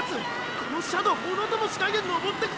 この斜度ものともしないで登ってくぞ！